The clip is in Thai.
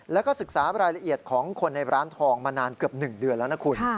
แล้วก็ศึกษารายละเอียดของคนในร้านทองมานานเกือบ๑เดือนแล้วนะคุณ